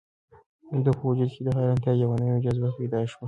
د ده په وجود کې د حیرانتیا یوه نوې جذبه پیدا شوه.